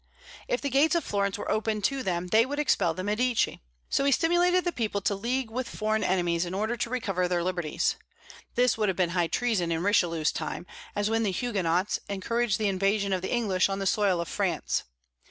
If the gates of Florence were open to them, they would expel the Medici. So he stimulated the people to league with foreign enemies in order to recover their liberties. This would have been high treason in Richelieu's time, as when the Huguenots encouraged the invasion of the English on the soil of France.